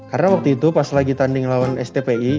karena waktu itu pas lagi tanding lawan stpi